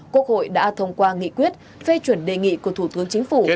quốc hội đã thông qua nghị quyết phê chuẩn đề nghị của thủ tướng chính phủ